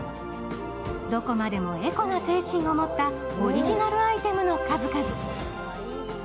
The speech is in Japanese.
どこまでもエコな精神を持ったオリジナルアイテムの数々。